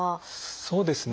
そうですね。